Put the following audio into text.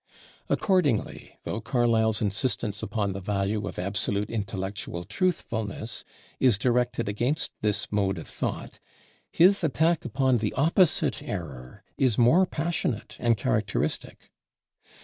Accordingly, though Carlyle's insistence upon the value of absolute intellectual truthfulness is directed against this mode of thought, his attack upon the opposite error is more passionate and characteristic.